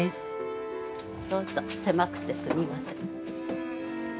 どうぞ狭くてすみません。